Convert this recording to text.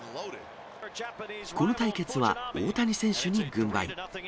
この対決は大谷選手に軍配。